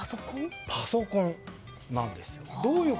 パソコンなんです。